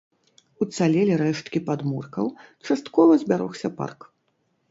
Уцалелі рэшткі падмуркаў, часткова збярогся парк.